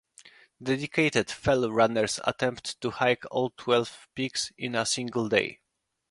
Dedicated fell runners attempt to hike all twelve peaks in a single day.